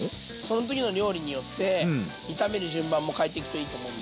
その時の料理によって炒める順番も変えてくといいと思うんだよね。